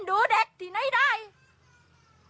เมื่อกี้มันร้องพักเดียวเลย